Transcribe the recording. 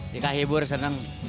jika hibur seneng